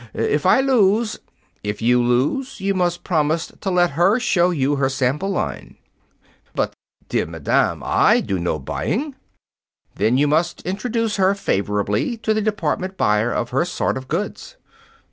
If I lose " "If you lose, you must promise to let her show you her sample line." "But, dear madam, I do no buying." "Then you must introduce her favorably to the department buyer of her sort of goods."